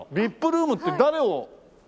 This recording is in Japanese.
ＶＩＰルームって誰を。